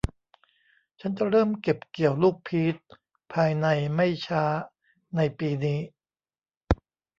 ฉันจะเริ่มเก็บเกี่ยวลูกพีชภายในไม่ช้าในปีนี้